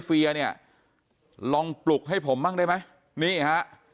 เฟียเนี่ยลองปลุกให้ผมบ้างได้ไหมนี่ฮะ